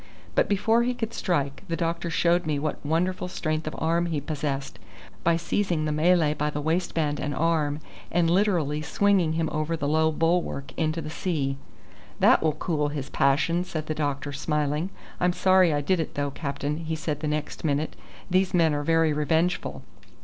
But before he could strike, the doctor showed me what wonderful strength of arm he possessed, by seizing the Malay by the waistband and arm and literally swinging him over the low bulwark into the sea. "That will cool his passion," said the doctor, smiling. "I'm sorry I did it though, captain," he said the next minute; "these men are very revengeful."